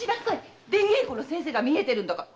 出稽古の先生がみえてるんだから。